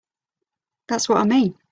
That's what I mean.